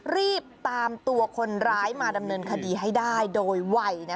รีบตามตัวคนร้ายมาดำเนินคดีให้ได้โดยไว